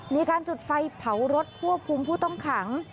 มีการจุดไฟเผารถควบคุมผู้ต้องขัง